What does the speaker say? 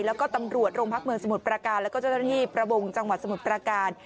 แล้วก็ตำรวจโรงพักเมืองสมุทรประการแล้วก็เจ้าหน้าที่ประมงจังหวัดสมุทรประการ